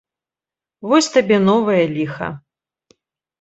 Вось табе новае ліха.